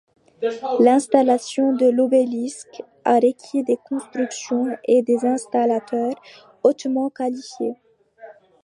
L'installation de l'obélisque a requis des constructeurs et des installateurs hautement qualifiés.